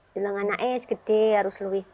jangan naik gede harus lebih